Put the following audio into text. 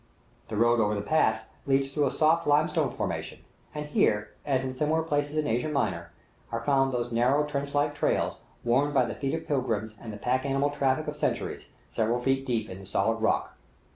The road over the pass leads through a soft limestone formation, and here, as in similar places in Asia Minor, are found those narrow, trench like trails, worn by the feet of pilgrims and the pack animal traffic of centuries, several feet deep in the solid rock.